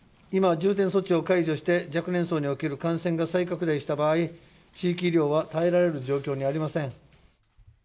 今、重点措置を解除して、若年層における感染が再拡大した場合、地域医療は耐えられる状況にありません。